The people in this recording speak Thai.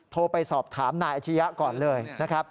โทรไปสอบถามนายอาชญาก่อนเลย